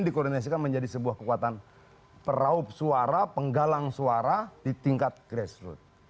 dikoordinasikan menjadi sebuah kekuatan peraup suara penggalang suara di tingkat grassroot